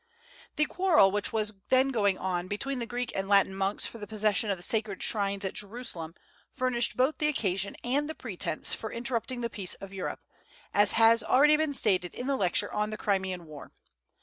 The quarrel which was then going on between the Greek and Latin monks for the possession of the sacred shrines at Jerusalem furnished both the occasion and the pretence for interrupting the peace of Europe, as has been already stated in the Lecture on the Crimean war.